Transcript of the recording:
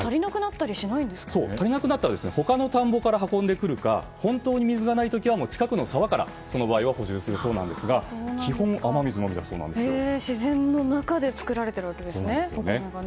足りなくなったら他の田んぼから運んでくるか本当に水がない時は近くの沢からその場合は補充するそうですが自然の中で作られているわけですね。